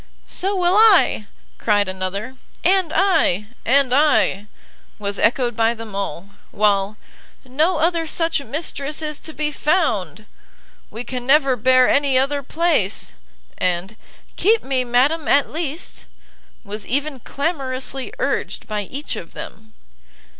"So will I!" cried another, "And I!" "And I!" was echoed by them all; while "no other such mistress is to be found!" "We can never bear any other place!" and "keep me, madam, at least!" was even clamorously urged by each of them.